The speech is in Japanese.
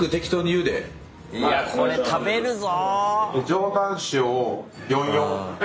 いやこれ食べるぞ！